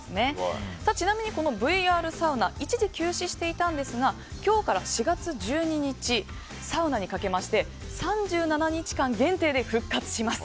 ちなみに、このＶＲサウナ一時休止していたんですが今日から４月１２日サウナにかけまして３７日間限定で復活します。